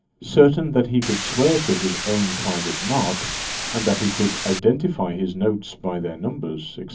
Certain that he could swear to his own private mark, and that he could identify his notes by their numbers, &c.